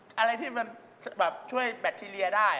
อะไรที่มันแบบช่วยแบคทีเรียได้